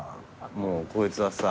もうこいつはさ